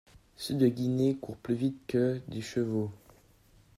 Ceux de Guinée courent plus vite que des chevaux.